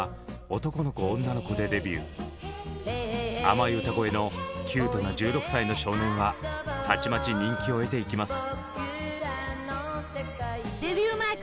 甘い歌声のキュートな１６歳の少年はたちまち人気を得ていきます。